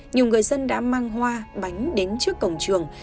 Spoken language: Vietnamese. nhiều người dân đã mang hoa bánh đến trước cổng trường